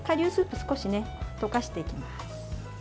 少し溶かしていきます。